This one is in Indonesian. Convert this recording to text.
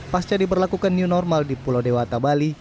pas jadi berlakukan new normal di pulau dewata bali